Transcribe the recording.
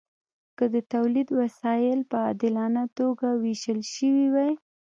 که د تولید وسایل په عادلانه توګه ویشل شوي وای.